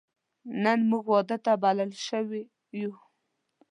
نن موږ واده ته بلل شوی یو